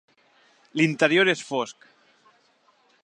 L'interior és fosc.